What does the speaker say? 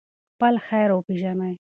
خپل خیر وپېژنئ.